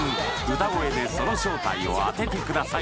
歌声でその正体を当ててください